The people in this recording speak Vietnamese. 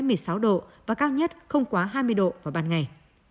nhiệt độ thấp nhất không quá hai mươi độ vào ban ngày